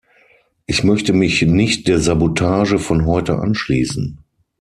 Ich möchte mich nicht der Sabotage von heute anschließen.